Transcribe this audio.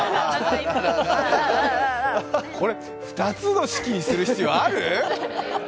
これ、２つの式にする必要ある？